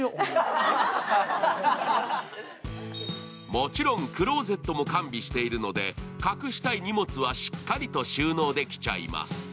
もちろんクローゼットも完備しているので隠したい荷物はしっかりと収納できちゃいます。